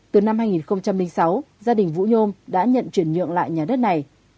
từ năm hai nghìn sáu gia đình vũ nhôm đã nhận chuyển nhượng lại nhà đất này